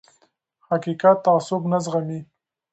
حقیقت تعصب نه زغمي